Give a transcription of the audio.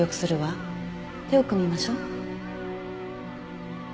手を組みましょう。